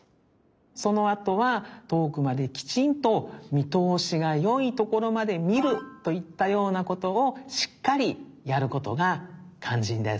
そのあとはとおくまできちんとみとおしがよいところまで「みる」といったようなことをしっかりやることがかんじんです。